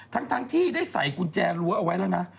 ทั้งที่ได้ใส่กุญแจรั้วเอาไว้แล้วนะ